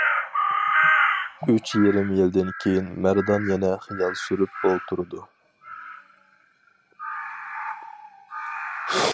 ئۈچ يېرىم يىلدىن كىيىن مەردان يەنە خىيال سۈرۈپ ئولتۇرىدۇ.